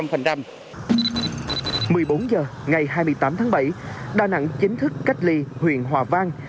một mươi bốn h ngày hai mươi tám tháng bảy đà nẵng chính thức cách ly huyện hòa vang